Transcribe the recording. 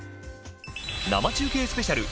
「生中継スペシャル！